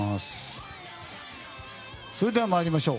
それでは参りましょう。